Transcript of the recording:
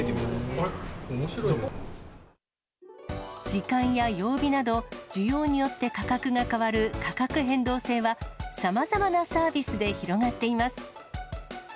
時間や曜日など、需要によって価格が変わる価格変動制は、さまざまなサービスで広がっています。